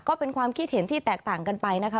ก็เป็นความคิดเห็นที่แตกต่างกันไปนะคะ